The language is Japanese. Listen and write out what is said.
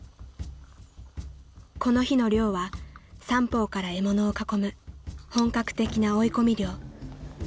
［この日の猟は三方から獲物を囲む本格的な追い込み猟］